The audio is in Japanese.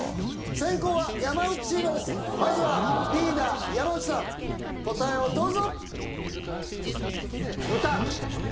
先攻は山内チームですまずはリーダー山内さん答えをどうぞ豚？